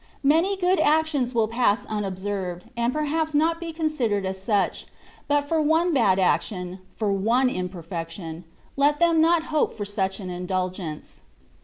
Many good actions will pass anobserred, and par haps not be considered as such ; bnt for one bad action — for one imperfection, let th^n not hope for such an indulgence.